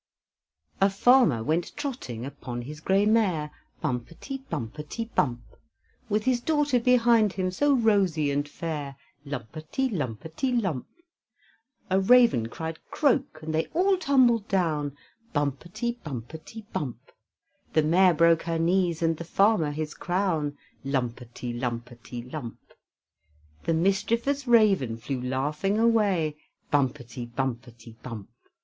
A farmer went trotting Upon his gray mare; Bumpety, bumpety, bump! With his daughter behind him, So rosy and fair; Lumpety, lumpety, lump! A raven cried "Croak"; And they all tumbled down; Bumpety, bumpety, bump! The mare broke her knees, And the farmer his crown; Lumpety, lumpety, lump. The mischievous raven Flew laughing away; Bumpety, bumpety, bump!